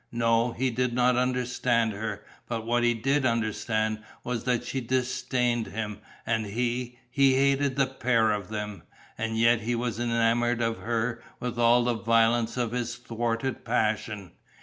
No, he did not understand her, but what he did understand was that she disdained him; and he, he hated the pair of them. And yet he was enamoured of her with all the violence of his thwarted passion.